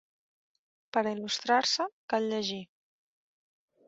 Per a il·lustrar-se, cal llegir.